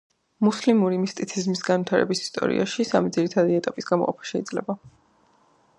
მუსლიმური მისტიციზმის განვითარების ისტორიაში სამი ძირითადი ეტაპის გამოყოფა შეიძლება.